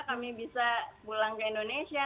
kami bisa pulang ke indonesia